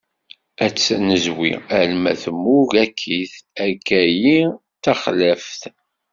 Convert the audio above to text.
Ad tt-nezwi alma temmug akkit akkayi d taxlaft.